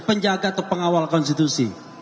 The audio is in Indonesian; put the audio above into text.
penjaga atau pengawal konstitusi